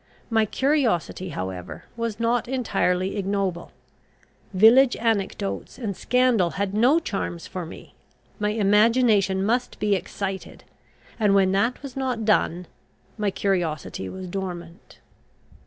My curiosity, however, was not entirely ignoble: village anecdotes and scandal had no charms for me: my imagination must be excited; and when that was not done, my curiosity was dormant.